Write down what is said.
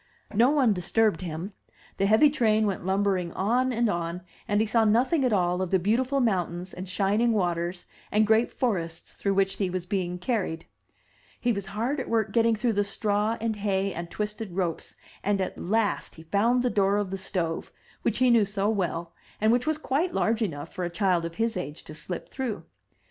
No one disturbed him; the heavy train went lum 298 THE TREASURE CHEST bering on and on, and he saw nothing at all of the beautiful mountains, and shining waters, and great forests through which he was being carried. He was hard at work getting through the straw and hay and twisted ropes; and at last he found the door of the stove, which he knew so well, and which was quite large enough for a child of his age to slip through.